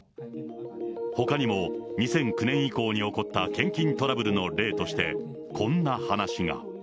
ほかにも、２００９年以降に起こった献金トラブルの例として、こんな話が。